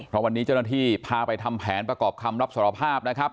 เพราะวันนี้เจ้าหน้าที่พาไปทำแผนประกอบคำรับสารภาพนะครับ